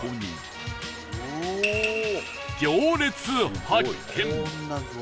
行列発見！